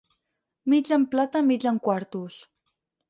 Mig en plata mig en quartos.